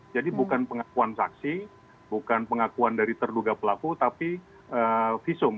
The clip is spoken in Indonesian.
jadi bukan pengakuan saksi bukan pengakuan dari terduga pelaku tapi visum